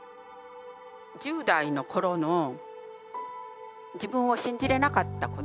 １０代の頃の自分を信じれなかったこと。